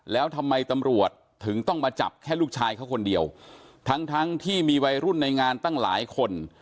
แล้วทำไมตำรวจถึงต้องมาจับแค่ลูกชายเขาคนเดียวทั้งทั้งที่มีวัยรุ่นในงานตั้งหลายคน